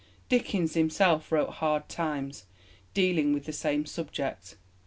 Dickens himself wrote Hard Times, dealing with the same subject.